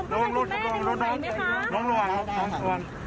ร้องรวมร้องรวมร้องรวมร้องรวม